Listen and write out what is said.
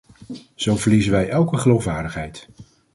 Zo verliezen wij elke geloofwaardigheid.